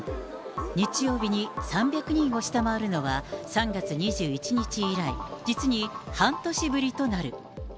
日曜日に３００人を下回るのは３月２１日以来、実に半年ぶりとなる。